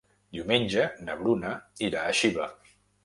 Diumenge na Bruna irà a Xiva.